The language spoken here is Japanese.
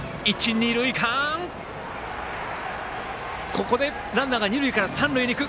ここでランナーが二塁から三塁に行く。